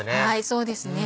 そうですね